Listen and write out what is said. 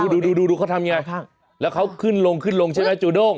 ดูดูเค้าทำยังไงแล้วเค้าขึ้นลงเนี่ยจูโด้ง